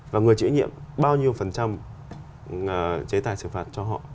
và người chủ yếu bao nhiêu phần trăm chế tài xử phạt cho họ